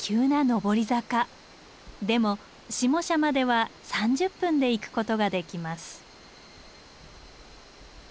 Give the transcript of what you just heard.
でも下社までは３０分で行くことができます。